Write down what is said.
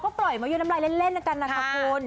ก็ปล่อยมายุน้ำลายเล่นนะครับคุณ